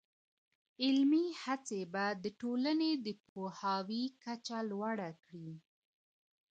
علمي هڅې به د ټولني د پوهاوي کچه لوړه کړي.